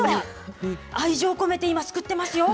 愛情込めて、今、すくってますよ。